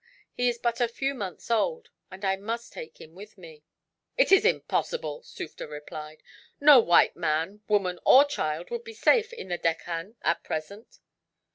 He is but a few months old, and I must take him with me." "It is impossible," Sufder replied. "No white man, woman, or child would be safe in the Deccan, at present."